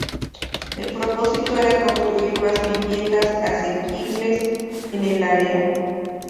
El propósito era construir más viviendas asequibles en el área.